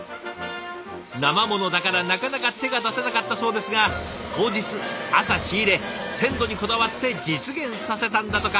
生ものだからなかなか手が出せなかったそうですが当日朝仕入れ鮮度にこだわって実現させたんだとか。